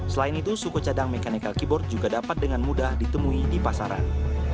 selain itu suku cadang mechanical keyboard juga dapat dengan mudah ditemui di pasaran